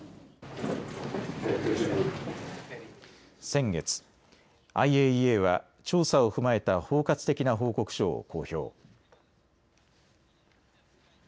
先月、ＩＡＥＡは調査を踏まえた包括的な報告書を公表。